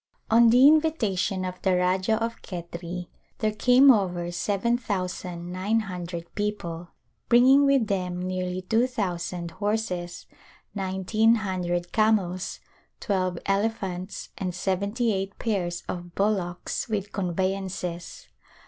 On the invitation of the Rajah of Khetri there came over seven thousand nine hundred people, bring ing with them nearly two thousand horses, nineteen hundred camels, twelve elephants, and seventy eight pairs of bullocks with conveyances.